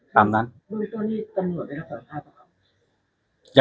ตามกฎกตลอดนะครับ